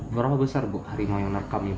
berapa besar bu harimau yang nerekam itu